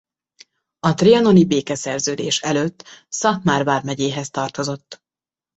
A trianoni békeszerződés előtt Szatmár vármegyéhez tartozott.